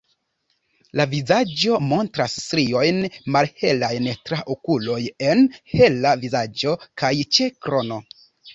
La vizaĝo montras striojn malhelajn tra okuloj -en hela vizaĝo- kaj ĉe krono.